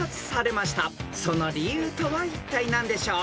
［その理由とはいったい何でしょう？］